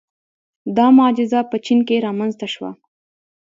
• دا معجزه په چین کې رامنځته شوه.